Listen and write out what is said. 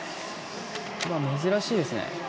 珍しいですね。